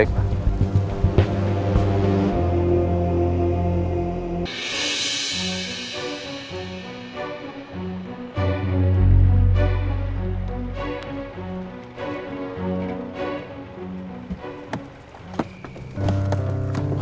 terima kasih tante